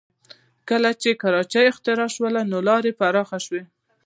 کله چې کراچۍ اختراع شوې نو لارې پراخه شوې